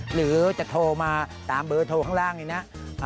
หรือจะโทรมาตามเบอร์โทรข้างล่างนี้นะ